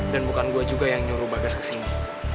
dan bukan gue juga yang nyuruh bagas kesini